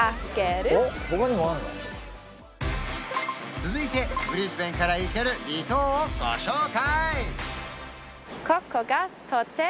続いてブリスベンから行ける離島をご紹介！